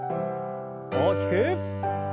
大きく。